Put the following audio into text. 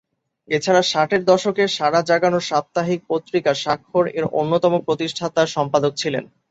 এছাড়া ষাটের দশকের সাড়া জাগানো সাপ্তাহিক পত্রিকা 'স্বাক্ষর' এর অন্যতম প্রতিষ্ঠা সম্পাদক ছিলেন।